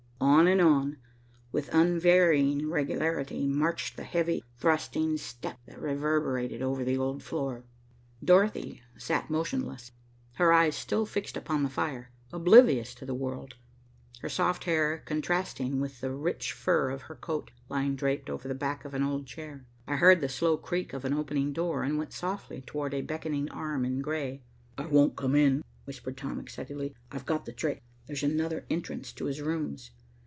On and on, with unvarying regularity, marched the heavy, thrusting step that reverberated over the old floor. Dorothy sat motionless, her eyes still fixed upon the fire, oblivious to the world, her soft hair contrasting with the rich fur of her coat lying draped over the back of an old chair. I heard the slow creak of an opening door, and went softly toward a beckoning arm in gray. "I won't come in," whispered Tom excitedly, "I've got the trick. There's another entrance to his rooms.